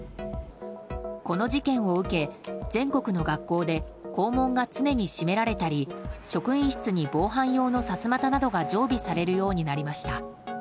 この事件を受け、全国の学校で校門が常に閉められたり職員室に防犯用のさすまたなどが常備されるようになりました。